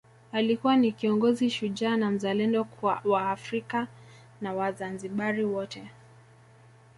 Alikuwa ni kiongozi shujaa na mzalendo kwa wa Afrika na wazanzibari wote